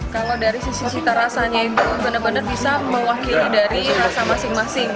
kalau dari sisi cita rasanya itu benar benar bisa mewakili dari rasa masing masing